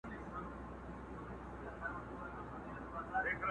دا به ولاړ وي د زمان به توپانونه راځي٫